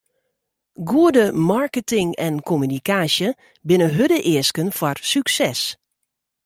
Goede marketing en kommunikaasje binne hurde easken foar sukses.